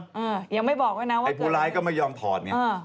อือยังไม่บอกไว้นะว่าเกิดอะไรไอ้ผู้ร้ายก็ไม่ยอมถอดไง